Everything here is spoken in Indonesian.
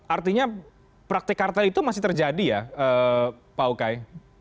artinya praktek kartel itu masih terjadi ya pak ukay